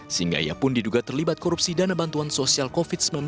sehingga ia pun diduga terlibat korupsi dana bantuan sosial covid sembilan belas